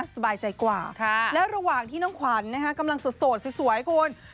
สบายใจกว่าและระหว่างที่น้องขวัญกำลังโสดสวยคุณ